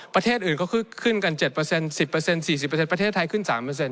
ประเทศอื่นก็คือขึ้นกัน๗๑๐๔๐ประเทศไทยขึ้น๓